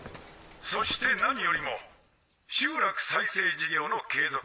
そして何よりも集落再生事業の継続